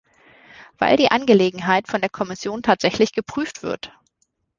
Weil die Angelegenheit von der Kommission tatsächlich geprüft wird.